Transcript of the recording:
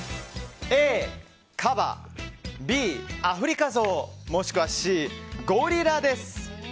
Ａ、カバＢ、アフリカゾウもしくはＣ、ゴリラです。